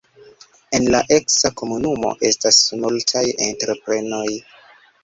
En la eksa komunumo estas multaj entreprenoj.